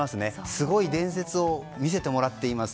すごい伝説を見せてもらっています。